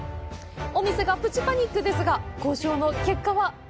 お店がプチパニックですが交渉の結果？